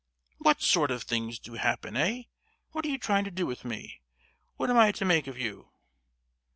"What sort of things do happen, eh? What are you trying to do with me? What am I to make of you?"